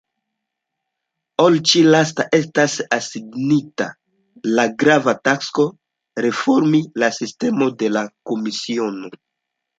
Al ĉi-lasta estas asignita la grava tasko reformi la sistemojn de la komisiono.